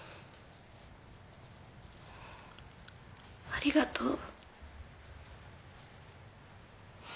ありがとう。